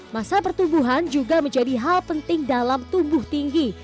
masa pertumbuhan juga menjadi hal penting dalam tumbuh tinggi